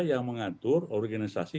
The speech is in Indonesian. yang mengatur organisasi